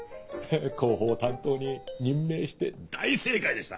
広報担当に任命して大正解でした！